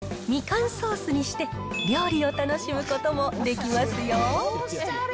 たっぷり使えるので、みかんソースにして料理を楽しむこともできますよ。